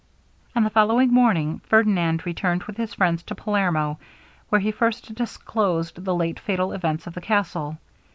On the following morning Ferdinand returned with his friends to Palermo, where he first disclosed the late fatal events of the castle.